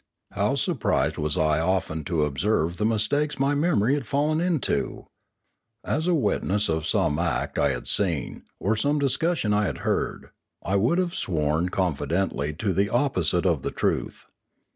How surprised was I often to observe the mistakes my memory had fallen into ! As a witness of some act I had seen, or some discussion I had heard, I would have sworn confidently to the opposite of the truth.